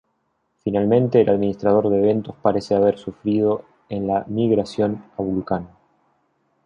Finalmente, el administrador de eventos parece haber sufrido en la migración a Vulcan.